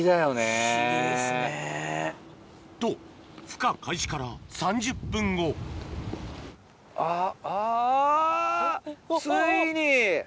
不思議ですね。と孵化開始から３０分後あっあぁ！